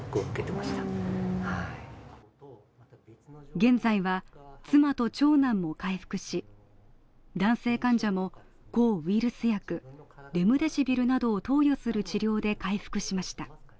現在は妻と長男も回復し、男性患者も抗ウイルス薬のレムデシビルなどを投与する治療で回復しました。